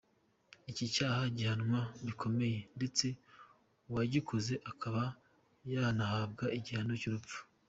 Iki cyaha gihanwa bikomeye ndetse uwagikoze akaba yanahabwa igihano cy’urupfu.